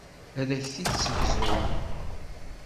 Ad ak-t-id-ssegzun.